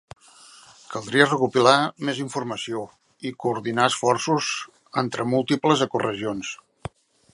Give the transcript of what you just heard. Caldria recopilar més informació i coordinar esforços entre múltiples ecoregions.